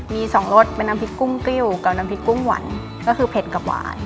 มีสองรสเป็นน้ำพริกกุ้งกริ้วกับน้ำพริกกุ้งหวานก็คือเผ็ดกับหวาน